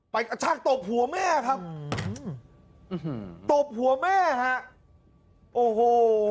กระชากตบหัวแม่ครับตบหัวแม่ฮะโอ้โห